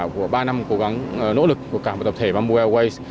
của ba năm cố gắng nỗ lực của cả một tập thể bamboo airways